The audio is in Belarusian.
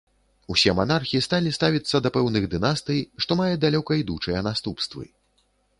Усе манархі сталі ставіцца да пэўных дынастый, што мае далёка ідучыя наступствы.